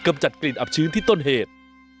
จัดกลิ่นอับชื้นที่ต้นเหตุ